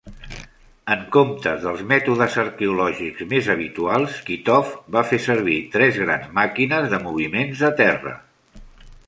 En comptes dels mètodes arqueològics més habituals, Kitov va fer servir tres grans màquines de moviments de terra.